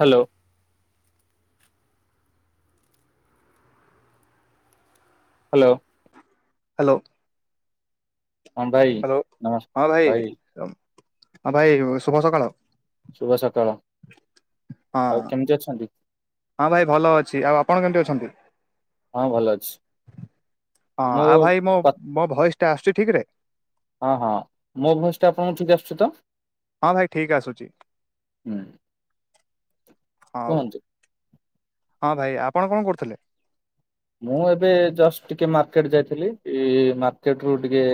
Hello hello hello ହଁ ଭାଇ hello ହଁ ଭାଇ ହଁ ଭାଇ ଶୁଭ ସକାଳ। ଶୁଭ ସକାଳ ହଁ ଆଉ କେମିତି ଅଛନ୍ତି? ହଁ ଭାଇ ଭଲ ଅଛି ଆଉ ଆପଣ କେମିତି ଅଛନ୍ତି? ହଁ ଭଲ ଅଛି ହଁ ମୋ ଆଉ ଭାଇ ମୋ କ ମୋ ଭଏସଟା ଆସୁଛି ଠିକରେ। ହଁ ହଁ ମୋ ଭଏସଟା ଆପଣଙ୍କୁ ଠିକ ଆସୁଛି ତ। ହଁ ଭାଇ ଠିକ୍ ଆସୁଛି। ହୁଁ ହଉ। କୁହନ୍ତୁ। ହଁ ଭାଇ ଆପଣ କଣ କରୁଥିଲେ? ମୁଁ ଏବେ ଜଷ୍ଟ୍ ଟିକେ ମାର୍କେଟ ଯାଇଥିଲି, ଏଇ ମାର୍କେଟରୁ ଟିକେ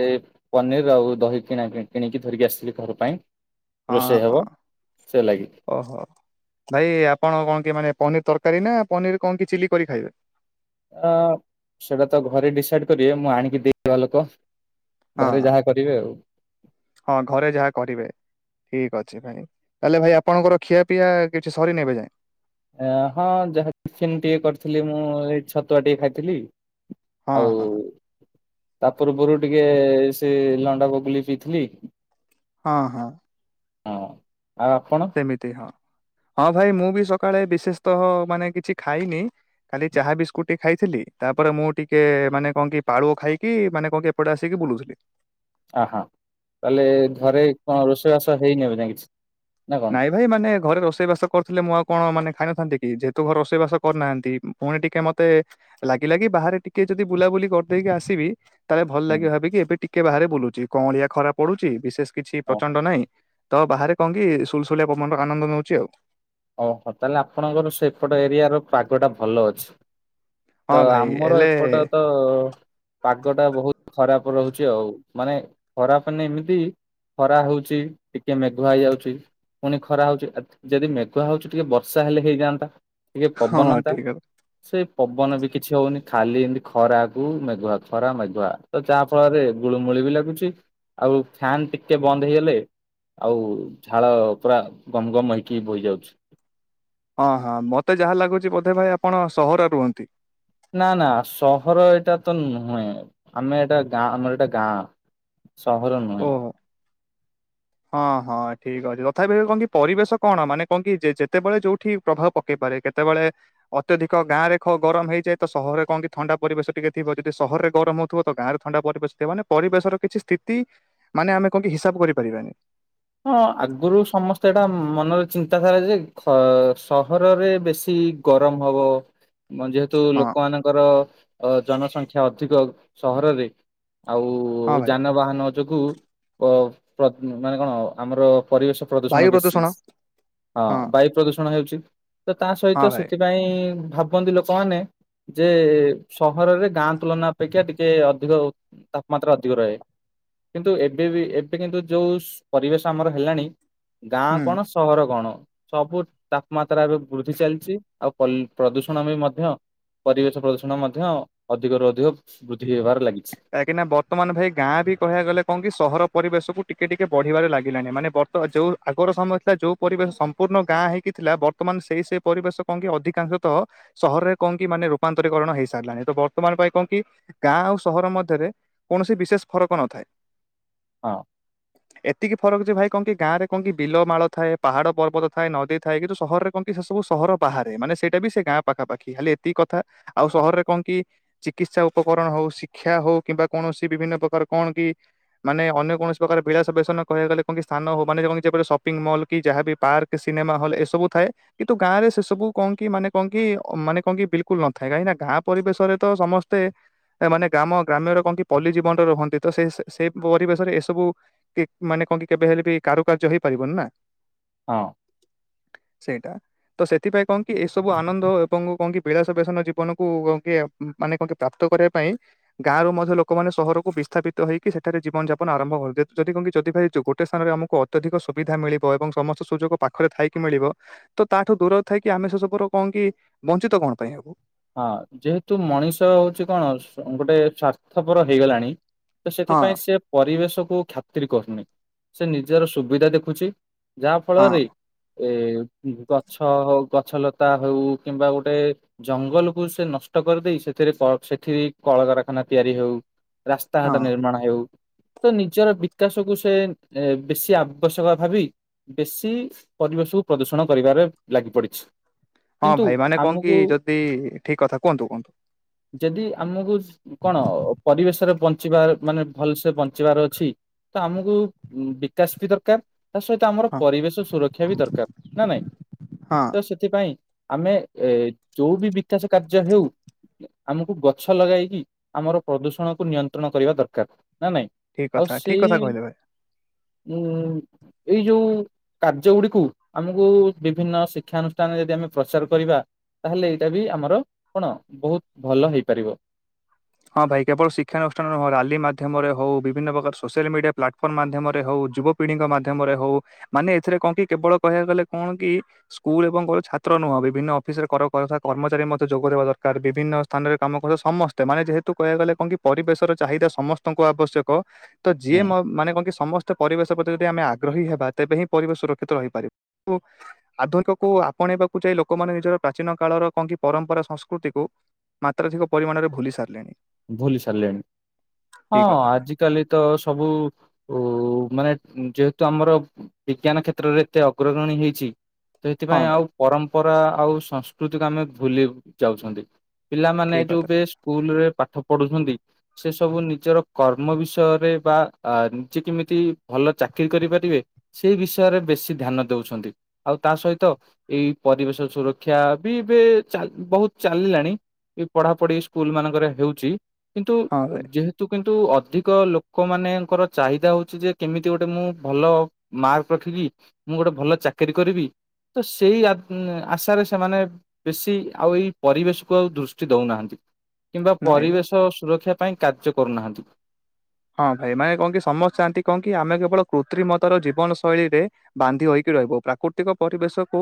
ପନିର ଆଉ ଦହି କିଣାକିଣି କିଣିକି ଧରିକି ଆସିଲି ଘର ପାଇଁ। ରୋଷେଇ ହବ, ସେ ଲାଗି। ଓହୋଃ, ଭାଇ ଆପଣ କଣ କି ମାନେ ପନିର ତରକାରୀ ନା ପନିର କଣ କି ଚିଲ୍ଲି କରି ଖାଇବେ? ଅ ସେଇଟା ତ ଘରେ ଡିସାଇଡ୍ କରିବେ ମୁଁ ଆଣିକି ଦେଇ ଦେବା ଲୋକ। ହଁ ଘରେ ଯାହା କରିବେ ଆଉ। ହଁ ଘରେ ଯାହା କରିବେ, ଠିକ ଅଛି ଭାଇ। ତାହେଲେ ଭାଇ ଆପଣଙ୍କର ଖିଆପିଆ କିଛି ସରିନି ଏବେ ଯାଏଁ? ଏଁ ହଁ ଯାହା ଟିଫିନ୍ ଟିକେ କରିଥିଲି ମୁଁ ଏଇ ଛତୁଆ ଟିକେ ଖାଇଥିଲି। ହଁ ଆଉ ହଁ ତା ପୂର୍ବରୁ ଟିକେ ସେ ଲଣ୍ଡା ବଗୁଲି ପିଇଥିଲି। ହଁ ହଁ। ହଁ, ଆଉ ଆପଣ? ଏମିତି ହଁ, ହଁ ଭାଇ ମୁଁ ବି ସକାଳେ ବିଶେଷତଃ ମାନେ କିଛି ଖାଇନି। କାଲି ଚାହା ବିସ୍କୁଟ ଟିକେ ଖାଇଥିଲି, ତାପରେ ମୁଁ ଟିକେ ମାନେ କଣ କି ପାଳୁଅ ଖାଇକି ମାନେ କଣ କି ଏପଟେ ଆସିକି ବୁଲୁଥିଲି। ଅ ହଁ, ତାହେଲେ ଘରେ କଣ ରୋଷେଇବାସ ହେଇନି ଏବେ ଯାଏଁ କିଛି? ନା କଣ? ନାଇଁ ଭାଇ ମାନେ ଘରେ ରୋଷେଇବାସ କରୁଥିଲେ ମୁଁ ଆଉ କଣ ମାନେ ଖାଇନଥାନ୍ତି କି, ଯେହେତୁ ଘରେ ରୋଷେଇ ବାସ କରିନାହାନ୍ତି ପୁଣି ଟିକେ ମତେ ଲାଗିଲାକି ବାହାରେ ଟିକେ ଯଦି ବୁଲାବୁଲି କରିଦେଇକି ଆସିବି ତାହେଲେ ଭଲ ହୁଁ ଲାଗିବ ଭାବିକି ଏବେ ଟିକେ ବାହାରେ ବୁଲୁଛି, କଅଁଳିଆ ଖରା ପଡୁଛି ବିଶେଷ କିଛି ଓହୋ ପ୍ରଚଣ୍ଡ ନାଇଁ। ତ ବାହାରେ କଣ କିି ସୁଲସୁଲିଆ ପବନର ଆନନ୍ଦ ନେଉଛି ଆଉ। ଓହୋଃ, ତାହେଲେ ଆପଣଙ୍କର ସେପଟ ଏରିଆର ପାଗଟା ଭଲ ଅଛି। ତ ହଁ ଭାଇ ଆମର ହେଲେ ଏପଟେ ତ ତ ପାଗଟା ବହୁତ ଖରାପ ରହୁଛି ଆଉ, ମାନେ ଖରାପ ମାନେ ଏମିତି ଖରା ହଉଛି ଟିକେ ମେଘୁଆ ହେଇଯାଉଛି ପୁଣି ଖରା ହଉଛି ଯେଦିନ ମେଘ୍ କୁହା ହେଉଛି ଟିକେ ବର୍ଷା ହେଲେ ହେଇଯାଆନ୍ତା ଟିକେ ହଁ ପବନନ୍ତା ଠିକ କଥା। ସେଇ ପବନ ବି କିଛି ହଉନି ଖାଲି ଏମିତି ଖରାକୁ ମେଘୁଆ ଖରା ମେଘୁଆ। ତ ଯାହା ଫଳରେ ଗୁଳୁମୁଳି ବି ଲାଗୁଛି ଆଉ ଫ୍ୟାନ୍ ଟିକେ ବନ୍ଦ ହେଇଗଲେ ଆଉ ଝାଳ ପୁରା ଗମଗମ୍ ହେଇକି ବୋହି ଯାଉଛି। ହଁ-ହଁ, ମୋତେ ଯାହା ଲାଗୁଛି ବୋଧେ ଭାଇ ଆପଣ ସହରରେ ରୁହନ୍ତି। ନା ନା ସହର ଏଇଟା ତ ନୁହେଁ ଆମେ ଏଇଟା ଗାଁଆ ଆମର ଏଇଟା ଗାଁଆ। ସହର ନୁହଁ। ଓହୋଃ। ହଁ-ହଁ, ଠିକ୍ ଅଛି ତଥାପି କଣ କି ପରିବେଶ କଣ ମାନେ କଣ କି ଯେତେବେଳେ ଯୋଉଠି ପ୍ରଭାବ ପକେଇ ପାରେ କେ କେତେବେଳେ ଅତ୍ୟଧିକ ଗାଁରେ ଗରମ ହେଇଯାଏ ତ ସହରରେ କଣ କି ଥଣ୍ଡା ପରିବେଶ ଟିକେ ଥିବ ଯଦି ସହରରେ ଗରମ ହଉ ଥିବ ତ ଗାଁରେ ଥଣ୍ଡା ପରିବେଶ ଥିବ ମାନେ ପରିବେଶର କିଛି ସ୍ଥିତି ମାନେ ଆମେ କଣ କି ହିସାବ କରିପାରିବାନି। ହଁ ଆଗରୁ ସମସ୍ତେ ଏଇଟା ମନରେ ଚିନ୍ତାଧାରା ଯେ ଖ ସହରରେ ବେଶୀ ଗରମ ହବ [inaudible] ଯେହେତୁ ହଁ ଲୋକମାନଙ୍କର ଅ ଜନସଂଖ୍ୟା ଅଧିକ ସହରରେ ଆଉ ହଁ ଭାଇ ଯାନବାହାନ ଯୋଗୁ ପ୍ର ପ୍ରଦ୍ ମାନେ କଣ ଆମର ପରିବେଶ। ପ୍ରଦୂଷଣ ବେଶୀ, ହଁ ବାୟୁ ପ୍ରଦୂଷଣ ହେଉଛି ତ ତା ସହିତ ହଁ ଭାଇ ସେଥି ପାଇଁ-ଇ ଭାବନ୍ତି ଲୋକମାନେ ଯେ ସହରରେ ଗାଁ ତୁଲନା ଅପେକ୍ଷା ଟିକେ ଅଧିକ ତାପମାତ୍ରା ଅଧିକ ରହେ, ସୁ କିନ୍ତୁ ଏବେ ବି ଏବେ କିନ୍ତୁ ଯୋଉ ପରିବେଶ ଆମର ହେଲାଣି ଗାଁ ହୁଁ। କଣ ସହର କଣ। ସବୁ ତାପମାତ୍ରା ଏବେ ବୃଦ୍ଧି ଚାଲିଛି ଆଉ ପଲ୍ ପ୍ରଦୂଷଣ ବି ମଧ୍ୟ ପରିବେଶ ପ୍ରଦୂଷଣ ମଧ୍ୟ ଅଧିକରୁୁ ଅଧିକ ବୃଦ୍ଧି ହେବାରେ ଲାଗିଛି। କାହିଁକିନା ବର୍ତ୍ତମାନ ଭାଇ ଗାଁ ବି କହିବା ଗଲେ କଣ କି ସହର ପରିବେଶକୁ ଟିକେ ଟିକେ ବଢିବାରେ ଲାଗିଲାଣି ମାନେ ବତ ଯୋଉ ଆଗର ସମୟ ଥିଲା ଯୋଉ ପରିବେଶ ସମ୍ପୂର୍ଣ୍ଣ ଗାଁ ହେଇକି ଥିଲା ବର୍ତ୍ତମାନ ସେଇ ସେଇ ପରିବେଶ କଣ କି ଅଧିକାଂଶ ତଃ ସହରରେ କଣ କି ମାନେ ରୂପାନ୍ତରୀକରଣ ହେଇସାରିଲାନି ତ ବର୍ତ୍ତମାନ ପାଇଁ କଣ କି? ଗାଁ ଆଉ ସହର ମଧ୍ୟରେ କୌଣସି ବିଶେଷ ଫରକ ନଥାଏ। ହଁ। ଆ ଏତିକି ଫରକ ଯେ ଭାଇ କଣ କି ଗାଁରେ କହଣ କି ବିଲମାଳ ଥାଏ ପାହାଡ ପର୍ବ ଥାଏ ନଦୀ ଥାଏ କିନ୍ତୁ ସହରରେ କ ସେ ସବୁ ସହର ବାହାରେ ମାନେ ସେଇଟା ବି ସେ ଗାଁ ପାଖାପାଖି ଖାଲି ଏତିକି କଥା ଆଉ ସହରରେ କଣ କି ଚିକିତ୍ସା ଉପକରଣ ହଉ ଶିକ୍ଷା ହଉ କିମ୍ବା କୌଣସି ବିଭିନ୍ନ ପ୍ରକାର କଣ କି ମାନେ ଅନ୍ୟ କୌଣସି ପ୍ରକାର ବିଳାସ ବସନ କହିବାକୁଲେ କଣି ସ୍ଥାନ ହଉ ମାନ ଯେଟ ସପିଂ ମଲ୍ କି ଯହା ପାର୍କ ସିନେମା ହଲ୍ ଏସବୁ ଥାଏ। କିନ୍ତୁ ଗାଁ ରେ ସେ ସବୁ କହ କି ମାନେ କହ କି ମାନେ କହ କି ବିଲକୁଲ ନଥାଏ କାହିଁକି ନା ଗାଁ ପରିବେଶରେ ତ ସମସ୍ତେ ମାନେ ଗ୍ରାମ ଗ୍ରାମ୍ୟର କଣ କି ପଲ୍ଲୀ ଜୀବନରେ ରୁହନ୍ତି ତ ସେ-ସେଇ ପରିବେଶରେ ଏସବୁ କି ମାନେ କଣ କି କେବେ ହେଲେ ବି କାରୁକାର୍ଯ୍ୟ ହେଇପାରିବନି ନା। ହଁ। ସେଇଟା। ତ ସେଥିପାଇଁ କଣ କି ଏସବୁ ଆନନ୍ଦ ଏବଂ କଣ କି ବିଳାସ ବସନ ଜୀବନକୁ ମାନେ କଣ ପ୍ରାପ୍ତ କ୍ତ କରିବା ପାଇଁ ଗାଁରୁ ମଧ୍ୟ ଲୋକମାନେ ସହରକୁ ବିସ୍ଥାପିତ ହେଇକି ସେଠାରେ ଜୀବନ ଯାପନ ଆରମ୍ଭ କରୁ ଯଦିି କଣକି ଯଦି ଭାଇ ଟେ ସ୍ଥାନରେ ଆମକୁ ଅତ୍ୟଧିକ ସୁବିଧା ମିଳିବ ଏବଂ ସମସ୍ତ ସୁଯୋଗ ପାଖରେ ଥାଇକି ମିଳିବ। ତ ତାଠୁ ଦୂରରେ ଥାଇକି ଆମେ ସେ ସବୁର କଣ କି ବଞ୍ଚିତ କଣ ପାଇଁ ହେବୁ। ହଁ ଯେହେତୁ ମଣିଷ ହଉଛି କଣ ଗୋଟେ ସ୍ୱାର୍ଥପର ହେଇଗଲାଣି। ତ ହଁ ସେଥିପାଇଁ ସେ ପରିବେଶକୁୁ ଖାତିର କରୁନି ସେ ନିଜର ସୁବିଧା ଦେଖୁଛି। ଯାହା ହଁ ଫଳରେ ଏ ଗଛ ହଉ ଗଛ ଲତା ହଉ କିମ୍ବା ଗୋଟେ ଜଙ୍ଗଲକୁୁ ସେ ନଷ୍ଟ କରିଦେଇ ସେଥିରେ କ ସେଠି କଳକାରଖାନା ତିଆରି ହଉ। ହଁ ରାସ୍ତାଘାଟ ନିର୍ମାଣ ହେଉ। ତ ନିଜର ବିକାଶକୁ ସେ ଏ ବେଶୀ ଆବଶ୍ୟକ ଭାବି ବେଶୀ ପରିବେଶକୁ ପ୍ରଦୂଷଣ କରିବାରେ ଲାଗି ପଡିଛି। ହଁ କିନ୍ତୁ ଭାଇ ମାନେ କଣ କି ଆମକୁ ଯଦି ଠିକ କଥା କୁହନ୍ତୁ କୁହନ୍ତୁ? ଯଦି ଆମକୁ କଣ ପରିବେଶରେ ବଞ୍ଚିବାର ମାନେ ଭଲ ସେ ବଞ୍ଚିବାର ଅଛି। ତ ଆମକୁ ବିକାଶ ବି ଦରକାର। ତା ସହିତ ଆମର ହଁ ପରିବେଶ ସୁରକ୍ଷା ବି ଦରକାର ନା ନାଇଁ ହଁ ତ ସେ ସେଥିପାଇଁ ଆମେ ଏ ଯୋଉ ବି ବିକାଶ କାର୍ଯ୍ୟ ହେଉ। ଆମକୁ ଗଛ ଲଗାଇକି ଆମର ପ୍ରଦୂଷଣକୁ ନିୟନ୍ତ୍ରଣ କରିବା ଦରକାର ନା ନାଇଁ? ଠିକ ଆଉ କଥା ଠିକ କଥା ସେଇ କହିଲେ ଭାଇ। ଉ ଏଇ ଯୋଉ କାର୍ଯ୍ୟ ଗୁଡିକୁ ଆମକୁ ବିଭିନ୍ନ ଶିକ୍ଷାନୁଷ୍ଠାନରେ ଯଦି ଆମେ ପ୍ରଚାର କରିବା ତାହେଲେ ଏଇଟା ବି ଆମର କଣ ବହୁତ ଭଲ ହେଇପାରିବ। ହଁ ଭାଇ କେବଳ ଶିକ୍ଷାନୁଷ୍ଠାନରେ ହଁ ରାଲି ମାଧ୍ୟମରେ ହଉ ବିଭିନ୍ନ ପ୍ରକାର ସୋସିଆଲ୍ ମିଡ଼ିଆ ପ୍ଲାଟଫର୍ମ ମାଧ୍ୟମରେ ହେଉ ଯୁବ ପିଢିଙ୍କ ମାଧ୍ୟମରେ ହଉ ମାନେ ଏଥିରେ କଣ କି କେବଳ କହିବାକୁ ଗଲେ କଣ କି? ସ୍କୁଲ ଏବଂ କ ଛାତ୍ର ନୁହଁ ବିଭିନ୍ନ ଅଫିସରେ କର କର୍ମଚାରୀ ମଧ୍ୟ ଯୋଗଦବା ଦରକାର ବିଭିନ୍ନ ସ୍ଥାନରେ କାମ କରୁ ସମସ୍ତେ ମାନେ ଯେହେତୁ କହିବାକୁ ଗଲେ କଣ କି ପରିବେଶର ଚାହିଦା ସମସ୍ତଙ୍କୁ ଆବଶ୍ୟକ ତ ଯିଏ ମୁଁ ମାନେ କଣ କି ସମ ପରିବେଶ ପ୍ରତି ଯଦି ଆମେ ଆଗ୍ରହୀ ହେବା ତେବେ ହିଁ ପରିବେଶ ସୁରକ୍ଷିତ ରହିପାରିବ। ଆଧୁନିକ କୁ ଆପଣେଇବାକୁ ଯାଇ ଲୋକମାନେ ନିଜର ପ୍ରାଚୀନ କାଳର କଣକି ପରମ୍ପରା ସଂସ୍କୃତିକୁ ମାତ୍ରାଧିକ ପରିମାଣରେ ଭୁଲି ସାରିଲେଣି। ଭୁଲି ସାରିଲେଣି ହଁ ଠିକ କଥା ଭାଇ ଆଜି କାଲି ତ ସବୁ ଉ ମାନେ ଯେହେତୁ ଆମର ବିଜ୍ଞାନ କ୍ଷେତ୍ରରେ ଏତେ ଅଗ୍ରଗଣୀ ହେଇଛି। ହଁ ସେଥିପାଇଁ ଭାଇ ଆଉ ପରମ୍ପରା ଆଉ ସଂସ୍କୃତିକୁ ଆମେ ଭୁଲି ଯାଉଛନ୍ତି। ପିଲାମାନେ ଏ ଠିକ ଯୋଉ କଥା ବି ସ୍କୁଲରେ ପାଠ ପଢୁଛନ୍ତି ସେ ସବୁ ନିଜର କର୍ମ ବିଷୟରେ ବା ଆ ନିଜେ କେମିତି ଭଲ ଚାକିରୀ କରିପାରିବେ ସେଇ ବିଷୟରେ ବେଶୀ ଧ୍ୟାନ ଦେଉଛନ୍ତି। ଆଉ ତା ସହିତ ଏଇ ପରିବେଶ ସୁରକ୍ଷା ବି ଏବେ ଚା ବୋହୁତ ଚାଲିଲାଣି। ଏ ପଢାପଢି ଏ ସ୍କୁଲମାନଙ୍କରେ ହେଉଚି କିନ୍ତୁ ହଁ ଭାଇ ଯେହେ ତୁ କିନ୍ତୁ ଅଧିକ ଲୋକମାନଙ୍କର ଚାହିଦା ହୋଉଛି ଯେ କେମିତି ଗୋଟେ ମୁଁ ଭଲ ମାର୍କ ରଖିକି ମୁଁ ଗୋଟେ ଭଲ ଚାକିରୀ କରିବି। ତ ସେଇ ଆ ନ୍ ଆଶାରେ ସେମାନେ ବେଶୀ ଆଉ ଏଇ ପରିବେଶକୁ ଆଉ ଦୃଷ୍ଟି ଦୋଉନାହାନ୍ତି କିମ୍ବା ନାଇଁ ଭାଇ ତ ସୁରକ୍ଷା ପାଇଁ କାର୍ଯ୍ୟ କରୁନାହାନ୍ତି। ହଁ ଭାଇ ମାନେ କଣ କି ସମସ୍ତେ ଚାହାନ୍ତି କଣ କି ଆମେ କେବଳ କୃତ୍ରିମତାର ଜୀବନ ଶୈଳୀରେ ବାନ୍ଧି ହୋଇକି ରହିବୁ ପ୍ରାକୃତିକ ପରିବେଶକୁ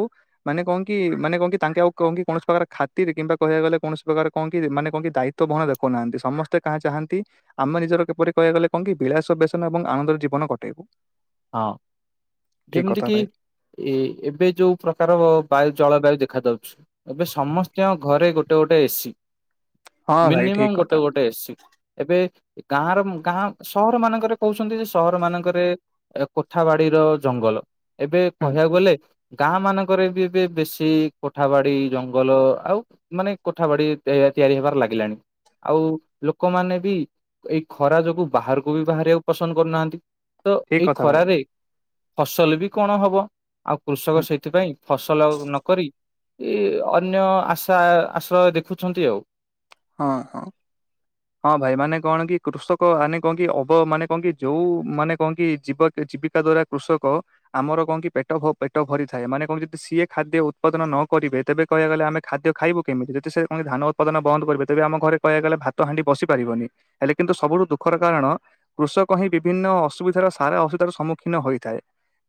ମାନେ କଣ କି ମାନେ କଣ କି ତାଙ୍କେ ଆଉ କଣ କି କୌଣସି ପ୍ରକାର ଖାତିରି କିମ୍ବା କହିବାକୁ ଗଲେ କୌଣସି ପ୍ରକାର କଣ କି ମାନେ କଣକି ଦାୟି ତ୍ୱ ବହେଁ ଦେଖୁନାହାନ୍ତି ସମସ୍ତେ କାହାଁ ଚାହାନ୍ତି ଆମେ ନିଜର କିପରି କହିବାକୁ ଗଲେ କଣ କି ବିଳାସ ବେସନ ଏବଂ ଆନନ୍ଦର ଜୀବନ କଟେଇବୁ। ହଁ ଠିକ ଯେମତି କଥା କିି? ଭାଇ ଏ ଏବେ ଯୋଉ ପ୍ରକାର ବାୟୁ ଜଳବାୟୁ ଦେଖାଯାଉଚି ଏବେ ସମସ୍ତଙ୍କ ଘରେ ଗୋ ଗୋଟେ ଗୋଟେ ଏସି ହଁ ଭାଇ ଠିକ ମିନିମମ୍ କଥା ଗୋଟେ ଗୋଟେ ଏସିି। ଏବେ ଗାଁର ଗାଁ ସହର ମାନଙ୍କରେ କୋହୁଛନ୍ତି ଯେ ସହର ମାନଙ୍କରେ ଏ କୋଠାବାଡିର ଜଙ୍ଗଲ ଏବେ ହୁଁ କହିବାକୁ ଗଲେ ଗାଁ ମାନଙ୍କରେ ବି ଏବେ ବେଶୀ କୋଠାବାଡି ଜଙ୍ଗଲ ଆଉ ମାନେ କୋଠାବାଡି ଏତେ ହେ ତିଆରି ହେବାର ଲାଗିଲାଣି। ଆଉ ଲୋକମାନେ ବି ଏଇ ଖରା ଯୋଗୁ ବାହାରକୁ ବି ବାହାରିବାକୁ ପସନ୍ଦ କରୁନାହାନ୍ତି। ତ ଠିକ ଏଇ କଥା ଭାଇ ଖରାରେ ଫସଲ ବି କଣ ହବ? ଆଉ କୃଷକ ହୁଁ ସେଇଥିପାଇଁ ଫସଲ ଆଉ ନକରି ଇ ଅନ୍ୟ ଆଶା ଆଶ୍ରୟ ଦେଖୁଛନ୍ତି ଆଉ। ହଁ ହଁ। ହଁ ଭାଇ ମାନେ କଣ କି କୃଷକ ମାନେ କଣ କି ଅବୟ ମାନେ କଣ କି ଯୋଉ ମାନେ କଣ କି ଜୀବ ଏ ଜୀବିକା ଦ୍ଵାରା କୃଷକ ଆମର କଣ କି ପେଟ ହୋ ପେଟ ଭରିଥାଏ ମାନେ କଣ ଯଦି ସିଏ ଖାଦ୍ୟ ଉତ୍ପାଦନ ନ କରିବେ ତେବେ କହିବାକୁ ଗଲେ ଆମେ ଖାଦ ଖାଇବୁ କେମିତି ଯଦି ସେ ପୁଣି ଧାନ ଉତ୍ପାଦନ ବନ୍ଦ କରିବେ ତେବେ ଆମ ଘରେ କହିବାକୁ ଗଲେ ଭାତ ହାଣ୍ଡି ବସି ପାରିବନି ହେଲେ କିନ୍ତୁ ସବୁଠୁ ଦୁଖର କାରଣ କୃଷକ ହିଁ ବିଭିନ୍ନ ଅସୁବିଧାର ସାରା ଅସୁବିଧାର ସମ୍ମୁଖୀନ ହୋଇଥାଏ।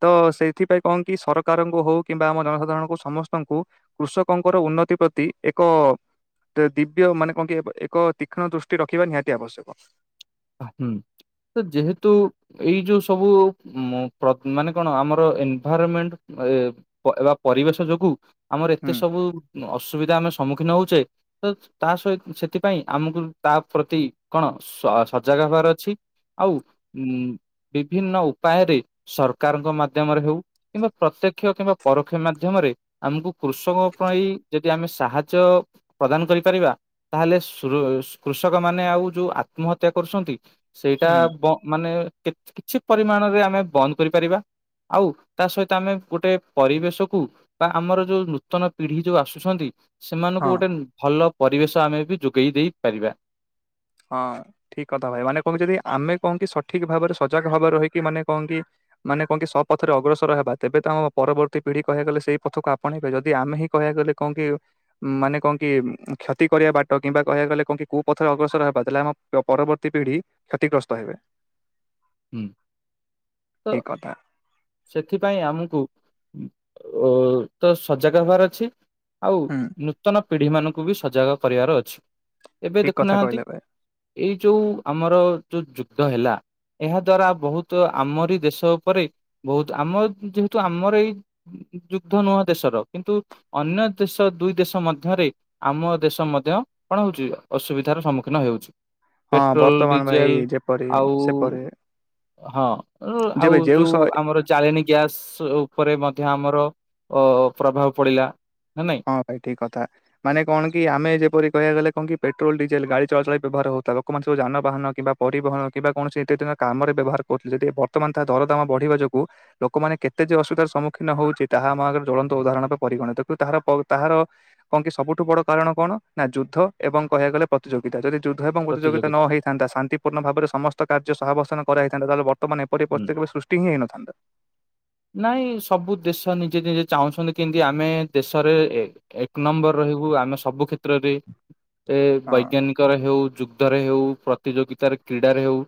ତ ସେଇଥିପାଇଁ କଣ କି ସରକାରଙ୍କୁ ହୋଉ କିମ୍ବା ଆମ ଜନସାଧାରଣଙ୍କୁ ସମସ୍ତଙ୍କୁ କୃଷକଙ୍କର ଉନ୍ନତି ପ୍ରତି ଏକ ତ ଦି ୟ ମାନେ କଣ କି ଏବ ଏକ ତୀକ୍ଷ୍ଣ ଦୃଷ୍ଟି ରଖିବା ନିହାତି ଆବଶ୍ୟକ। ଅ ହୁଁ ତ ଯେହେତୁ ଏଇ ଯୋଉ ସବୁ ଉମ୍ ପ୍ର ମାନେ କଣ ଆମର ଏନଭାଇରମେଣ୍ଟ ଏ ପ ଏବା ପରିବେଶ ଯୋଗୁ ଆମର ଏତେ ହୁଁ। ସବୁ ଉମ୍ ଅସୁବିଧା ଆମେ ସମ୍ମୁଖୀନ ହୋଉଚେ ତ ତା ସହିତ୍ ସେଥିପାଇଁ ଆମକୁ ତା ପ୍ରତି କଣ ସ ସଜାଗ ହବାର ଅଛି। ଆଉ ଉଁ ବିଭିନ୍ନ ଉପାୟରେ ସରକାରଙ୍କ ମାଧ୍ୟମରେ ହେଉ କିମ୍ବା ପ୍ରତ୍ୟକ୍ଷ କିମ୍ବା ପରୋକ୍ଷ ମାଧ୍ୟମରେ ଆମକୁ କୃଷକଙ୍କ ପାଇଁ ଯଦି ଆମେ ସାହାଯ୍ୟ ପ୍ରଦାନ କରିପାରିବା। ତାହେଲେ ସୃ ଉସ୍ କୃଷକମାନେ ଆଉ ଯୋଉ ଆତ୍ମହତ୍ୟା କରୁଛନ୍ତି ସେଇଟା ହୁଁ ବଁ ମାନେ କେତ୍ କିଛି ପରିମାଣରେ ଆମେ ବନ୍ଦ କରିପାରିବା। ଆଉ ତା ସହିତ ଆମେ ଗୋଟେ ପରିବେଶକୁ ବା ଆମର ଯୋଉ ନୂତନ ପିଢି ଯୋଉ ଆସୁଛନ୍ତି ହଁ। ସେମାନଙ୍କୁ ଗୋଟେ ଉଁ ଭଲ ପରିବେଶ ଆମେ ବି ଯୋଗେଇ ଦେଇପାରିବା। ହଁ ଠିକକଥା ଭାଇ ମାନେ କହିବୁ ଯଦି ଆମେ କଣ କି ସଠିକ ଭାବରେ ସଜାଗ ଭାବରେ ରହିକି ମାନେ କଣ କି ମାନେ କହଣ କି ସ ପଥରେ ଅଗ୍ରସର ହେବା ତେବେ ତ ଆମ ପରବର୍ତ୍ତୀ ପଢି କହିବାକୁ ଗଲେ ସେଇ ପଥକୁ ଆପଣେଇବେ ଯଦି ଆମେ ହିଁ କହିବାକୁ ଗଲେ। କଣ କି ମାନେ କଣ କି କ୍ଷତି କରିବା ବାଟ କିମ୍ବା କହିବାକୁ ଗଲେ କଣ କି କୋଉ ପଥରେ ଅଗ୍ରସର ହେ ବଦଲେ ଆମ ପ-ପରବର୍ତ୍ତୀ ପିଢି କ୍ଷତିଗ୍ରସ୍ତ ହେବେ। ହୁଁ। ଠିକ୍ କଥା। ସେଥିପାଇଁ ଆମକୁ ଓ ତ ସଜାଗ ହବାର ଅଛି। ଆଉ ହୁଁ। ନୂତନ ପିଢ଼ି ମାନଙ୍କୁ ବି ସଜାଗ କରିବାର ଅଛି। ଏବେ ଠିକ କଥା କହିଲେ ଦେଖୁନାହାନ୍ତି ଭାଇ ଏଇ ଯୋଉ ଆମର ଯୋଉ ଯୁଦ୍ଧ ହେଲା। ଏହା ଦ୍ଵାରା ବୋହୁତ ଆମରି ଦେଶ ଉପରେ ବୋହୁତ ଆମ ଯେହେତୁ ଆମର ଏଇ ଯୁଦ୍ଧ ନୁହଁ। ଦେଶର କିନ୍ତୁ ଅନ୍ୟ ଦେଶ ଦୁଇ ଦେଶ ମଧ୍ୟରେ ଆମ ଦେଶ ମଧ୍ୟ କଣ ହୋଉଚି ଅସୁବିଧାର ସମ୍ମୁଖୀନ ହେଉଚି। ହଁ ପେଟ୍ରୋଲ ବର୍ତ୍ତମାନ ଭାଇ ଡିଜେଲ ଯେପରି ଆଉ ସେପରି ହଁ [unintelligible] ଆଉ ଯେବେ ଯେଉ ସ ଯୋଉ ଆମର ଜାଳେଣି ଗ୍ୟାସ ଉପରେ ମଧ୍ୟ ଆମର ଅ ପ୍ରଭାବ ପଡିଲା ନା ନାଇଁ। ହଁ ଭାଇ ଠିକ୍ କଥ କଥା। ମାନେ କଣକି ଆମେ ଯେପରି କହିବା ଗଲେ କଣକି ପେଟୋଲ ଡିଜେଲ ଗଡି ଚଳାଚଳ ବ୍ୟବହାର ହୋଉଥିଲା। ଲୋକମାନେ ସବୁ ଯାନବାହାନ କିମ୍ବା ପରିବହନ କିମ୍ବା କୌଣସି ଇତ୍ୟାଦିନ କାମରେ ବ୍ୟବହାର କରୁଥିଲେ। ଯଦି ବର୍ତ୍ତମାନ ତାହା ଦରଦାମ ବଢିବା ଯୋଗୁ ଲୋକମାନେ କେତଯେ ଅସୁବିଧାର ସମ୍ମୁଖୀନ ହୋଉଚଟ ତାହା ଆମ ଆଗରେ ଜ୍ୱଳନ୍ତ ଉାହରଣ ରୂପେ ପରିଗଣିତ [unintelligible] ତାହାର ପ ତାହାର କଣ କି ସବୁଠୁ ବଡ କାରଣ କଣ ନା ଯୁଦ୍ଧ ଏବଂ କହିବାକୁ ଗଲେ ପ୍ରତିଯୋଗିତା ଯଦି ଯୁଦ୍ଧ ଏବଂ ପ୍ରଯୋଗିତା ପ୍ରତିଯୋଗିତା ନହେଇ ଥାନ୍ତା ଶାନ୍ତିପୂର୍ଣ୍ଣ ଭାବରେ ସମସ୍ତ କାର୍ଯ୍ୟ ସାହାବସନ କରାହେଇଥାନ୍ତା ତାହଲେ ବର୍ତ୍ତମାନ ଏପରି ହୁଁ। ପରିସ୍ଥିତି କେବେ ସୃଷ୍ ହିଁ ହେଇନଥାନ୍ତା। ନାଇଁ ସବୁ ଦେଶ ନିଜେ ନିଜେ ଚାହୁଁଛନ୍ତି କେମତି ଆମେ ଦେଶରେ ଏ କ ନମ୍ବର ରହିବୁ। ଆମେ ସବୁ କ୍ଷେତ୍ରରେ ଏ ହଁ ବୈଜ୍ଞାନି କ ରେ ହୋଉ ଯୁଦ୍ଧରେ ହୋଉ ପ୍ରତିଯୋଗିତାରେ କ୍ରୀଡାରେ ହୋଉ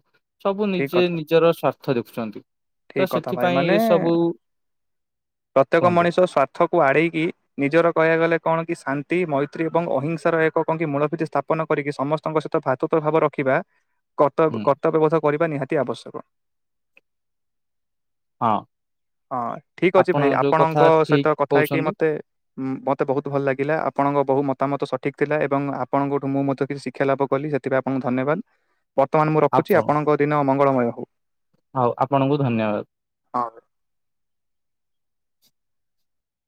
ସବୁ ନିଜେ ନିଜର ସ୍ଵା ର୍ଥ ଦେଖୁଚନ୍ତି। ଠି୍କ କଥା ଭାଇ ମାନେ ପ୍ରତ୍ୟେକ କୁହନ୍ତୁ ମଣିଷ ସ୍ଵାର୍ଥକୁ ଆଡେଇକି ନିଜର କହିବା ଗଲେ କଣ କି ଶାନ୍ତି ମୈତ୍ରୀ ଏବଂ ଅହିଂସାର ଏକ କଣକି ମୂଳ ଭିର୍ତ୍ତି ସ୍ଥା ପନ କରିକି ସମସ୍ତଙ୍କ ସହିତ ଭାତୃତ ଭାବ ରଖିବା ହୁଁ କର୍ତ୍ତ-କର୍ତ୍ତବ୍ୟବୋଧ କରିବା ନିହାତି ଆବଶ୍ୟକ। ହଁ। ହଁ ଠି୍କ ଅଛି ଆପଣ ଭାଇ ଯୋଉ କଥା ଆପଣଙ୍କ ଠିକ ସହିତ କଥା ହେଇକି କହୁଛନ୍ତି ମତେ ମତେ ବୋହୁତ ଭଲ ଲାଗିଲା ଆପଣଙ୍କ ବହୁ ମତାମତ ସଠିକ୍ ଥିଲା ଏବଂ ଆପଣଙ୍କଠୁ ମୁଁ ମଧ୍ୟ କିଛି ଶିକ୍ଷା ଲାଭ କଲି ସେ ଥି ପାଇଁ ଆପଣଙ୍କୁ ଧନ୍ୟବାଦ ବର୍ତ୍ତମାନ ମୁଁ ରଖୁଚି ଆପଣଙ୍କ ଦିନ ମଙ୍ଗଳମୟ ହୋଉ। ହୋଉ ଆପଣଙ୍କୁ ଧନ୍ୟବାଦ। ହଁ ଭାଇ।